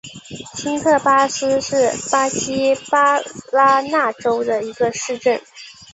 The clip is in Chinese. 新特巴斯是巴西巴拉那州的一个市镇。